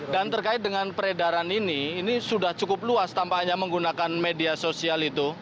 dan terkait dengan peredaran ini ini sudah cukup luas tanpa hanya menggunakan media sosial itu